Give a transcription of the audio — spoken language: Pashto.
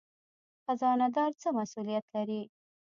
خزانه دار څه مسوولیت لري؟